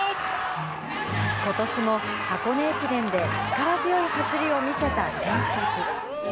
ことしも箱根駅伝で力強い走りを見せた選手たち。